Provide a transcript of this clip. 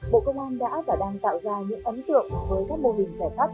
bộ công an đã và đang tạo ra những ấn tượng với các mô hình giải pháp